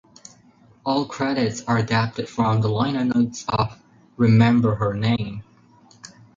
All credits are adapted from the liner notes of "Remember Her Name".